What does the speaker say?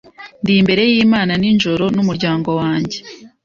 Ndi imbere yImana ninjoro numuryango wanjye